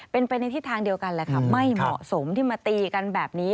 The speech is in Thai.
เป็นไปในทิศทางเดียวกันแหละค่ะไม่เหมาะสมที่มาตีกันแบบนี้